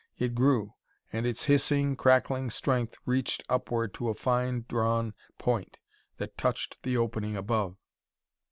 It grew, and its hissing, crackling length reached upward to a fine drawn point that touched the opening above.